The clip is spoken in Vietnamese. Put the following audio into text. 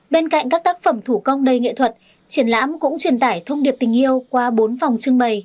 bên cạnh các tác phẩm thủ công đầy nghệ thuật triển lãm cũng truyền tải thông điệp tình yêu qua bốn phòng trưng bày